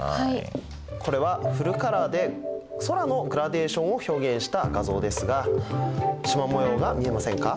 これはフルカラーで空のグラデーションを表現した画像ですがしま模様が見えませんか？